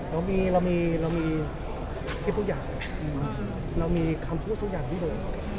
เรามีเรามีเรามีทุกอย่างเรามีคำพูดทุกอย่างที่บอก